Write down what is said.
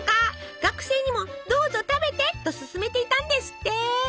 学生にもどうぞ食べてと勧めていたんですって。